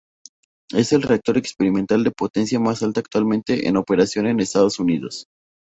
Es el reactor experimental de potencia más alta actualmente en operación en Estados Unidos.